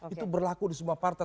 itu berlaku di semua partai